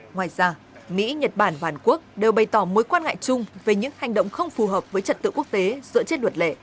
ngoài ra mỹ nhật bản và hàn quốc đều bày tỏ mối quan ngại chung về những hành động không phù hợp với trật tự quốc tế dựa trên luật lệ